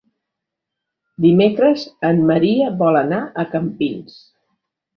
Dimecres en Maria vol anar a Campins.